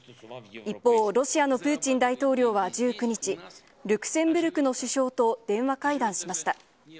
一方、ロシアのプーチン大統領は１９日、ルクセンブルクの首相と電話会談しました。